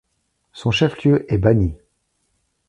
Son chef-lieu est Baní.